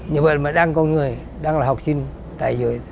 như vậy mà đang có người đang là học sinh tài giỏi